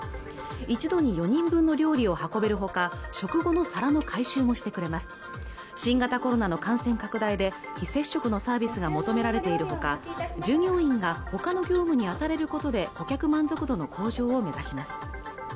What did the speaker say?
一度に４人分の料理を運べるほか食後の皿の回収もしてくれます新型コロナの感染拡大で非接触のサービスが求められているほか従業員がほかの業務にあたれることで顧客満足度の向上を目指します